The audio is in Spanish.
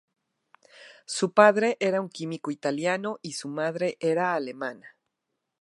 Su padre era un químico italiano, y su madre era alemana.